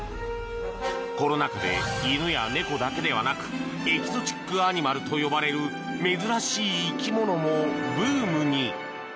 コロナ禍で犬や猫だけでなくエキゾチックアニマルと呼ばれる珍しい生き物もブームに。